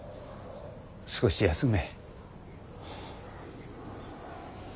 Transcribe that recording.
少し休め。